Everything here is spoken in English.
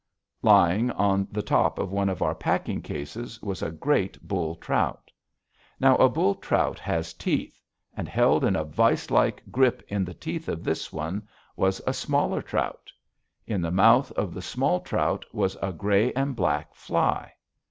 Lying on the top of one of our packing cases was a great bull trout. Now a bull trout has teeth, and held in a vise like grip in the teeth of this one was a smaller trout. In the mouth of the small trout was a gray and black fly.